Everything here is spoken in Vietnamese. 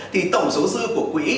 thì tổng số dư của quý